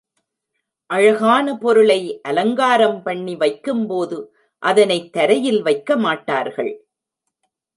அழகான பொருளை அலங்காரம் பண்ணி வைக்கும்போது அதனைத் தரையில் வைக்க மாட்டார்கள்.